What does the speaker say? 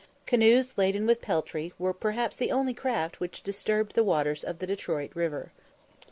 Canoes laden with peltry were perhaps the only craft which disturbed the waters of the Detroit river.